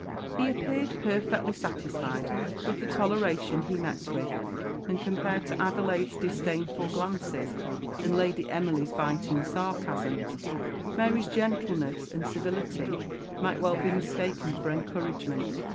He appeared perfectly satisfied with the toleration he met with; and, compared to Adelaide's disdainful glances, and Lady Emily's biting sarcasms, Mary's gentleness and civility might well be mistaken for encouragement.